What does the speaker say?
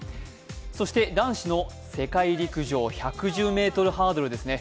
そして、男子の世界陸上１１０ｍハードルですね。